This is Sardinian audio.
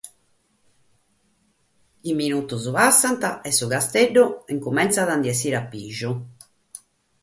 Nche colant sos minutos e su Casteddu cumintzat a essire a pìgiu.